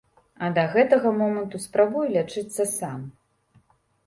А да гэтага моманту спрабую лячыцца сам.